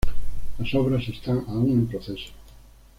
Las obras están aún en proceso.